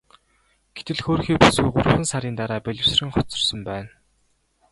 Гэтэл хөөрхий бүсгүй гуравхан сарын дараа бэлэвсрэн хоцорсон байна.